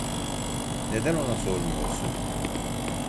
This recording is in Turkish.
Neden ona sormuyorsun?